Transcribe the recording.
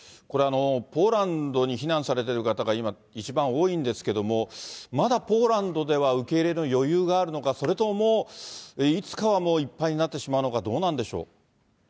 これ、ポーランドに避難されている方が今、一番多いんですけれども、まだポーランドでは受け入れの余裕があるのか、それとも、いつかはもういっぱいになってしまうのか、どうなんでしょう。